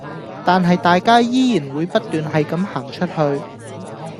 但係大家依然會不斷係咁行出去